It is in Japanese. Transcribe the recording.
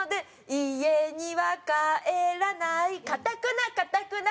「家には帰らない」「かたくなかたくな。